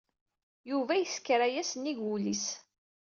Yuba yesker aya sennig wul-is